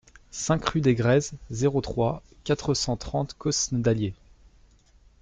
cinq rue des Grèzes, zéro trois, quatre cent trente Cosne-d'Allier